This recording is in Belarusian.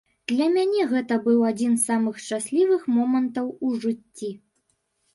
Для мяне гэта быў адзін з самых шчаслівых момантаў у жыцці.